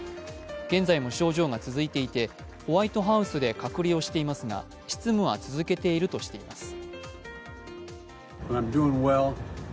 現在も症状が続いていてホワイトハウスで隔離をしていますが、執務は続けているとしています。